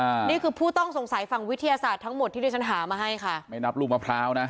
อันนี้คือผู้ต้องสงสัยฝั่งวิทยาศาสตร์ทั้งหมดที่ที่ฉันหามาให้ค่ะไม่นับลูกมะพร้าวนะ